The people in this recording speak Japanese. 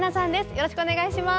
よろしくお願いします。